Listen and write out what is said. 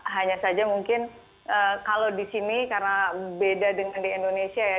hanya saja mungkin kalau di sini karena beda dengan di indonesia ya